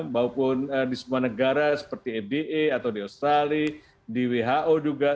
maupun di semua negara seperti fda atau di australia di who juga